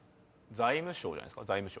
「財務省」じゃないですか。